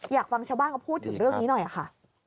อยากฟังชาวบ้านเขาพูดถึงเรื่องนี้หน่อยค่ะ